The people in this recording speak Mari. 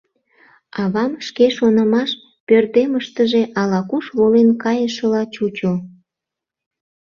Авам шке шонымаш пӧрдемыштыже ала-куш волен кайышыла чучо.